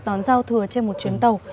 đón giao thừa trên một chuyến tàu